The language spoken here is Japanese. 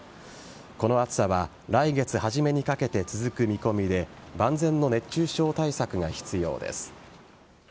この暑さは来月初めにかけて続く見込みで万全の熱中症対策が必要です。